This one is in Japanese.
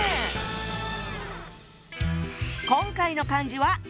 今回の漢字は。